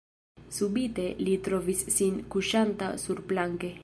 Subite li trovis sin kuŝanta surplanke.